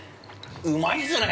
◆うまいですね。